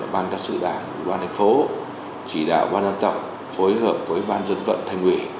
ban các sự đảng ủy ban thành phố chỉ đạo ban âm tạo phối hợp với ban dân vận thành quỷ